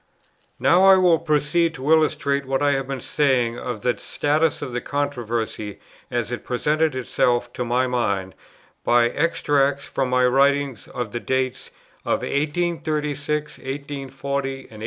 Now I will proceed to illustrate what I have been saying of the status of the controversy, as it presented itself to my mind, by extracts from my writings of the dates of 1836, 1840, and 1841.